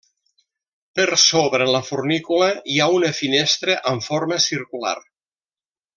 Per sobre la fornícula hi ha una finestra amb forma circular.